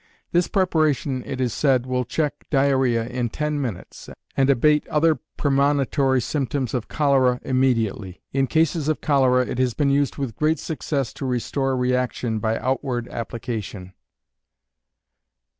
This preparation it is said, will check diarrhea in ten minutes, and abate other premonitory symptoms of cholera immediately. In cases of cholera, it has been used with great success to restore reaction by outward application.